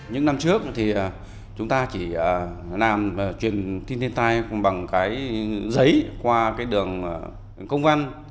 những năm trước thì chúng ta chỉ làm truyền tin thiên tai bằng cái giấy qua cái đường công văn